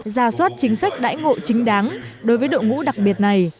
ra soát chính sách đãi ngộ chính đáng đối với đội ngũ đặc biệt này